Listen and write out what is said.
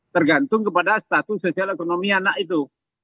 tergantung kepada status sosial ekonomi anak itu